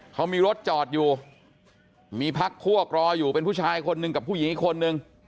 เขามีรถจอดอยู่มีพักพวกรออยู่เป็นผู้ชายคนหนึ่งกับผู้หญิงอีกคนนึง